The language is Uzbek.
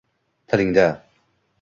tilingda